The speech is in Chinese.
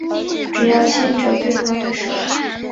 只要牵着对方的手